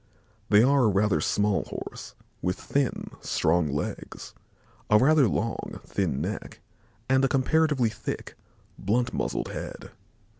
They are a rather small Horse with thin, strong legs, a rather long, thin neck and a comparatively thick, blunt muzzled head.